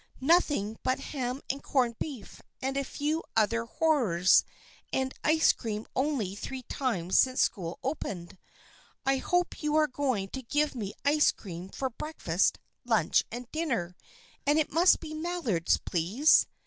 Nothing but ham and corned beef, and a few other horrors, and ice cream only three times since school opened. I hope you are going to give me ice cream for break fast, lunch and dinner, and it must be Maillard's, please.